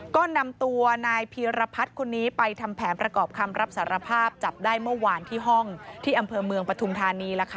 ก็นำตัวนายพีรพัฒน์คนนี้ไปทำแผนประกอบคำรับสารภาพจับได้เมื่อวานที่ห้องที่อำเภอเมืองปฐุมธานี